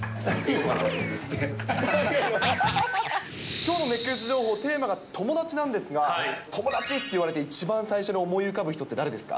きょうの熱ケツ情報、テーマが友達なんですが、友達って言われて一番最初に思い浮かぶ人って誰ですか？